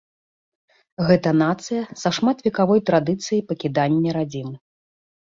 Гэта нацыя са шматвекавой традыцыяй пакідання радзімы.